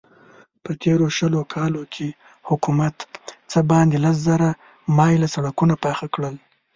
په تېرو شلو کالو کې حکومت څه باندې لس زره مايله سړکونه پاخه کړل.